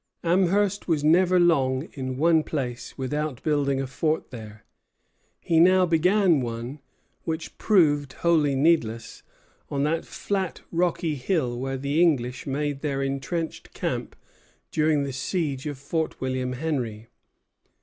Amherst was never long in one place without building a fort there. He now began one, which proved wholly needless, on that flat rocky hill where the English made their intrenched camp during the siege of Fort William Henry.